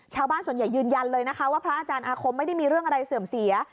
ชาวบ้านส่วนใหญ่ยืนยันเลยนะคะว่าพระอาจารย์อาคมไม่ได้มีเรื่องอะไรเสื่อมเสีย